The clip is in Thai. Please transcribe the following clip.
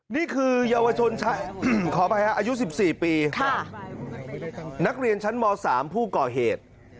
นี่คือเยาวชนขออภัยฮะอายุ๑๔ปีนักเรียนชั้นม๓ผู้ก่อเหตุ